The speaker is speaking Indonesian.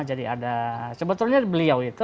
jadi ada sebetulnya beliau itu